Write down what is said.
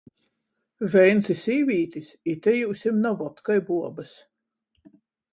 Veins i sīvītis - ite jiusim na vodka i buobys...